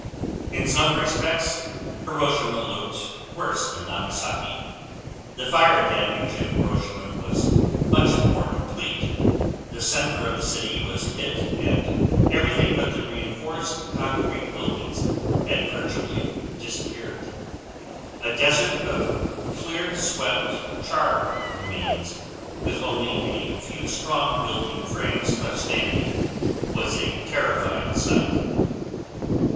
In some respects, Hiroshima looked worse than Nagasaki. The fire damage in Hiroshima was much more complete; the center of the city was hit and everything but the reinforced concrete buildings had virtually disappeared. A desert of clear swept, charred remains, with only a few strong building frames left standing was a terrifying sight.